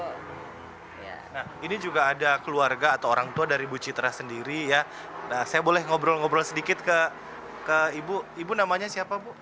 nah ini juga ada keluarga atau orang tua dari ibu citra sendiri ya saya boleh ngobrol ngobrol sedikit ke ibu ibu namanya siapa bu